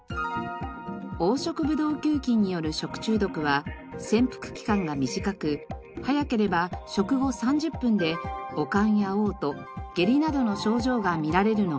黄色ブドウ球菌による食中毒は潜伏期間が短く早ければ食後３０分で悪寒やおう吐下痢などの症状がみられるのが特徴です。